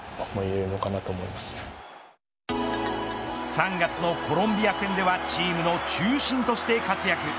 ３月のコロンビア戦ではチームの中心として活躍。